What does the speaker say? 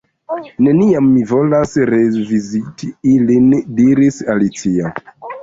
"Neniam mi volos reviziti ilin " diris Alicio.